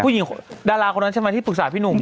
ดาราคนนั้นใช่ไหมที่ปรึกษาพี่หนุ่ม